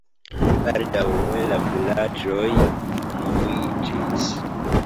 Baldaŭe la vilaĝoj unuiĝis.